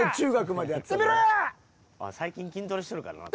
最近筋トレしとるからな。